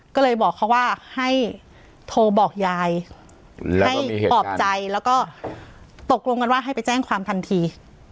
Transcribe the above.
ก็เลยบอกเขาว่าให้โทรบอกยายให้ปอบใจแล้วก็ตกลงกันว่าให้ไปแจ้งความทันที